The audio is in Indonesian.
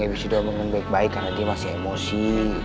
gak bisa doang ngomong baik baik karena dia masih emosi